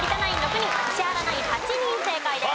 人石原ナイン８人正解です。